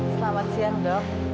selamat siang dok